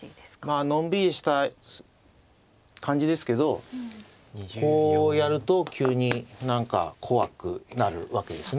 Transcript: まあのんびりした感じですけどこうやると急に何か怖くなるわけですね。